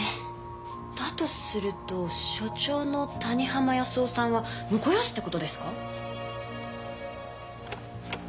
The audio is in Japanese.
だとすると所長の谷浜康雄さんは婿養子って事ですか？